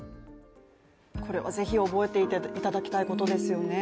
これはぜひ覚えていただきたいことですよね。